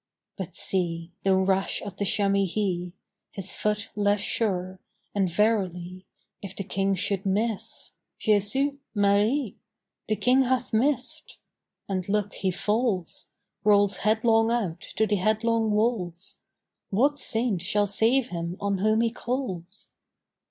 But, see! though rash as the chamois he, His foot less sure. And verily If the King should miss ... "Jesu! Marie! "The King hath missed!" And, look, he falls! Rolls headlong out to the headlong walls. What Saint shall save him on whom he calls?